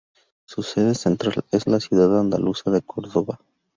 Su sede central está en la ciudad andaluza de Córdoba.